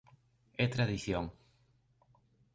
É tradición.